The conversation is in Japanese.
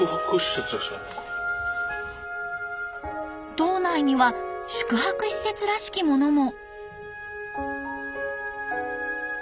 島内には宿泊施設らしきものも。